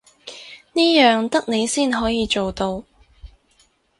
呢樣得你先可以做到